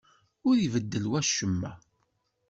Ur ibeddel wacemma.